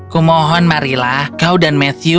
kumohon marilla kau dan matthew